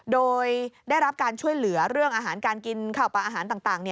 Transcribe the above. โดยได้รับการช่วยเหลือเรื่องอาหารการกินข้าวปลาอาหารต่าง